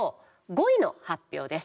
５位の発表です。